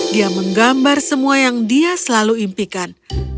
dia menggambar semua yang dia selalu impikan